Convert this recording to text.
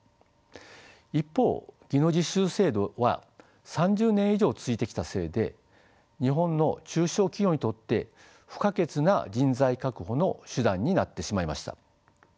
一方技能実習制度は３０年以上続いてきたせいで日本の中小企業にとって不可欠な人材確保の手段になってしまいました。